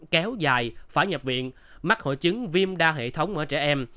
kéo dài phải nhập viện mắc hội chứng viêm đa hệ thống ở trẻ em